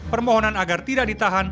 permohonan agar tidak ditahan